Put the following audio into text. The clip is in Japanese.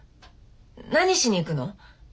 何しに行くの？